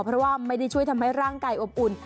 เพราะว่าไม่ได้ช่วยทำให้ร่างกายอบอุ่น